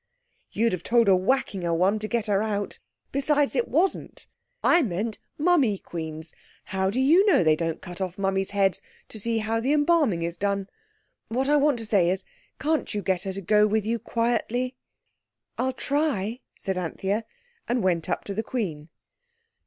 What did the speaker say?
"You'd have told a whackinger one to get her out. Besides, it wasn't. I meant mummy queens. How do you know they don't cut off mummies' heads to see how the embalming is done? What I want to say is, can't you get her to go with you quietly?" "I'll try," said Anthea, and went up to the Queen.